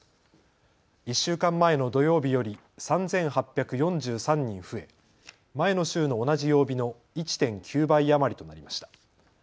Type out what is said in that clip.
１週間前の土曜日より３８４３人増え、前の週の同じ曜日の１．９倍余りとなりました。